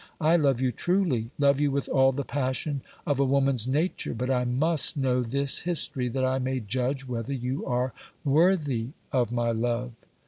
I love you truly, love you with all the passion of a woman's nature, but I must know this history that I may judge whether you are worthy of my love!"